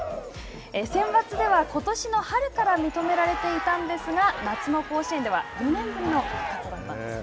センバツでは、ことしの春から認められていたんですが、夏の甲子園では４年ぶりの復活だったんですね。